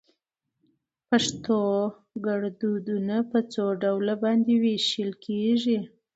پښتو ګړدودونه په څو ډلو باندي ويشل کېږي؟